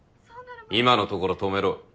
今のところ止めろ。